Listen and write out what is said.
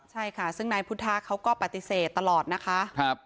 ใช่ค่ะซึ่งนายพุทธะเขาก็ปฏิเสธตลอดนะคะ